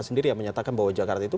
sendiri yang menyatakan bahwa jakarta itu